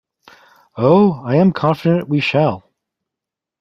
Oh, I am confident we shall.